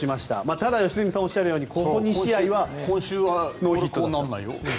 ただ良純さんがおっしゃるようにここ２試合はノーヒットだと。